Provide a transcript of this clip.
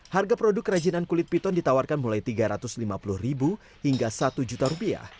harga produk kerajinan kulit piton ditawarkan mulai rp tiga ratus lima puluh hingga rp satu